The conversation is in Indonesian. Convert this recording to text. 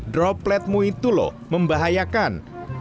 dropletmu itu lho membahayakan